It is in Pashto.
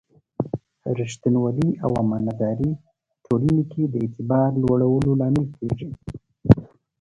ریښتینولي او امانتداري ټولنې کې د اعتبار لوړولو لامل کېږي.